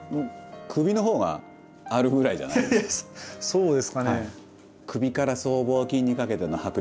そうですかね。